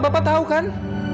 bapak tahu kan